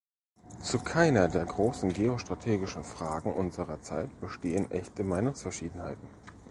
Zu keiner der großen geostrategischen Fragen unserer Zeit bestehen echte Meinungsverschiedenheiten.